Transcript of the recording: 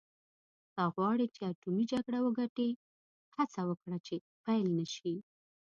که غواړې چې اټومي جګړه وګټې هڅه وکړه چې پیل نه شي.